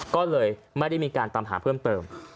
ก็เลยไม่ได้มีการตามหาเพิ่มเติม